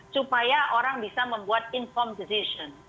supaya orang bisa membuat inform decision